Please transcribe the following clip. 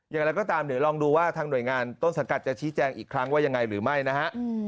อย่างไรก็ตามเดี๋ยวลองดูว่าทางหน่วยงานต้นสังกัดจะชี้แจงอีกครั้งว่ายังไงหรือไม่นะฮะ